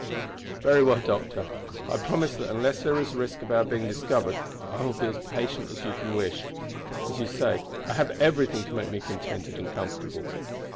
"Very well, doctor. I promise that unless there is a risk of our being discovered I will be as patient as you can wish. As you say, I have everything to make me contented and comfortable."